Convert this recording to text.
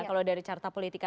kalau dari carta politika